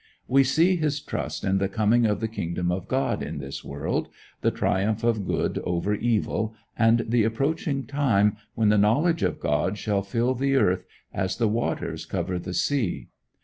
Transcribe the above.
We see his trust in the coming of the Kingdom of God in this world, the triumph of good over evil, and the approaching time when the knowledge of God shall fill the earth as the waters cover the sea.